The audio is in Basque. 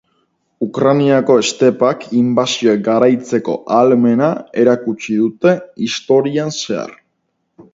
Ukrainiako estepak inbasioak garaitzeko ahalmena erakutsi dute historian zehar.